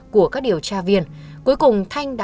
tại cơ quan công an